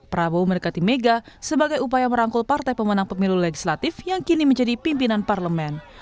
prabowo mendekati mega sebagai upaya merangkul partai pemenang pemilu legislatif yang kini menjadi pimpinan parlemen